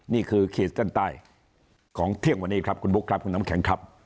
ขีดเส้นใต้ของเที่ยงวันนี้ครับคุณบุ๊คครับคุณน้ำแข็งครับ